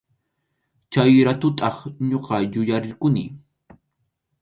Chay ratutaq ñuqa yuyarirquni.